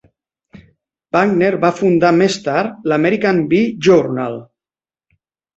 Wagner va fundar més tard l'"American Bee Journal".